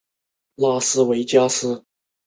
喙呈淡绿色。